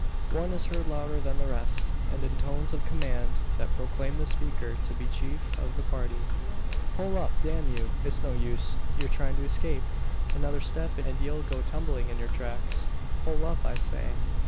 One is heard louder than the rest, and in tones of command that proclaim the speaker to be chief of the party. "Pull up, damn you! It's no use your trying to escape. Another step, and ye'll go tumbling in your tracks. Pull up, I say!"